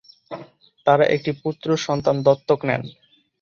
তারা একটি পুত্র সন্তান দত্তক নেন।